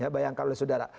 bayangkan oleh saudara